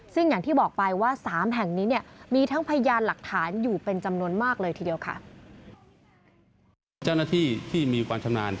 ซึ่งอย่างที่บอกไปว่าสามแห่งนี้เนี่ยมีทั้งพยานหลักฐานอยู่เป็นจำนวนมากเลยทีเดียวค่ะ